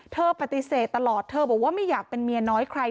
เธอปฏิเสธตลอดเธอบอกว่าไม่อยากเป็นเมียน้อยใคร